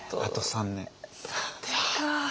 ３年か。